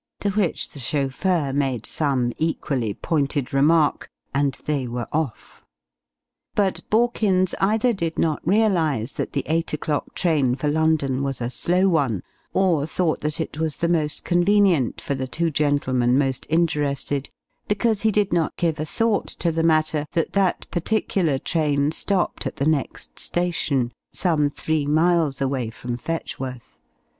To which the chauffeur made some equally pointed remark, and they were off. But Borkins either did not realize that the eight o'clock train for London was a slow one, or thought that it was the most convenient for the two gentlemen most interested, because he did not give a thought to the matter that that particular train stopped at the next station, some three miles away from Fetchworth.